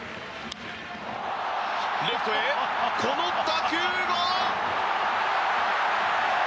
レフトへこの打球が。